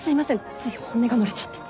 つい本音が漏れちゃって。